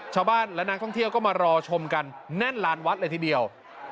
ชาวบ้านและนักท่องเที่ยวก็มารอชมกันแน่นลานวัดเลยทีเดียว